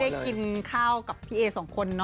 ไม่ได้กินข้าวกับพี่เอสองคนนะ